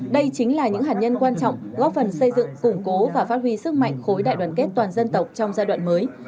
đây chính là những hạt nhân quan trọng góp phần xây dựng củng cố và phát huy sức mạnh khối đại đoàn kết toàn dân tộc trong giai đoạn mới